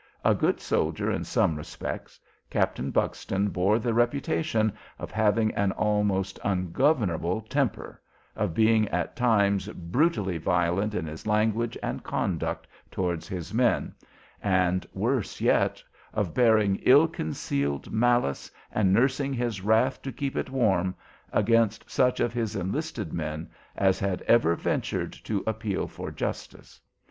A good soldier in some respects, Captain Buxton bore the reputation of having an almost ungovernable temper, of being at times brutally violent in his language and conduct towards his men, and, worse yet, of bearing ill concealed malice, and "nursing his wrath to keep it warm" against such of his enlisted men as had ever ventured to appeal for justice.